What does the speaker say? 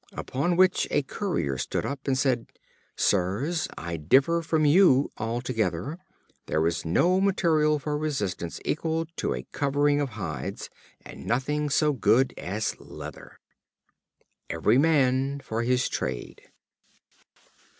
Upon which a Currier stood up, and said: "Sirs, I differ from you altogether; there is no material for resistance equal to a covering of hides; and nothing so good as leather." Every man for his trade.